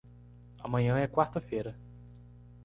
Amanhã é quarta-feira.